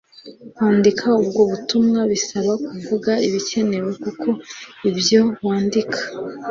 kwandika ubwo butumwa bisaba kuvuga ibikenewe kuko ibyo wandika